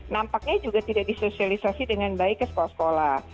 nampaknya juga tidak disosialisasi dengan baik ke sekolah sekolah